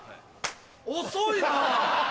遅いな！